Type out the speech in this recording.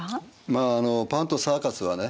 まあパンとサーカスはね